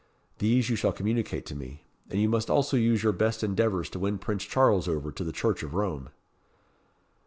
These you shall communicate to me. And you must also use your best endeavours to win Prince Charles over to the Church of Rome."